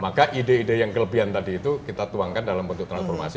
maka ide ide yang kelebihan tadi itu kita tuangkan dalam bentuk transformasi